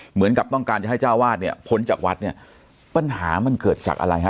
เหมือนกับต้องการจะให้เจ้าวาดเนี่ยพ้นจากวัดเนี่ยปัญหามันเกิดจากอะไรฮะ